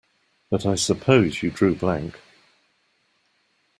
But I suppose you drew blank?